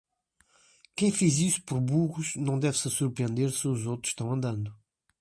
Quem fez isso por burros não deve se surpreender se os outros estão andando.